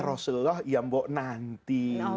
rasulullah iya mbok nanti